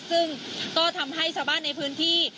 ซึ่งก็ทำให้ชาวบ้านในพื้นที่